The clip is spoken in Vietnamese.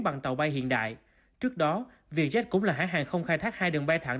bằng tàu bay hiện đại trước đó vietjet cũng là hãng hàng không khai thác hai đường bay thẳng